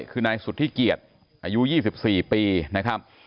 คือนายสุดที่เกลียดอายุ๒๔ปีนะครับ